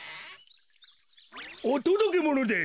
おとどけものです。